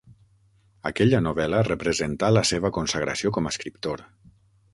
Aquella novel·la representà la seva consagració com a escriptor.